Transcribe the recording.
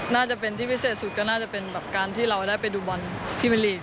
น่าจะเป็นที่พิเศษสุดก็น่าจะเป็นด้านที่เราได้ไปดูบอลพรีเบอนอลลีค